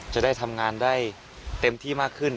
จะได้ทำงานได้เต็มที่มากขึ้น